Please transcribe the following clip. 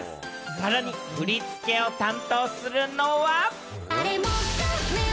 さらに振り付けを担当するのは。